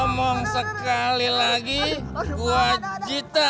lu ngomong sekali lagi gua jitak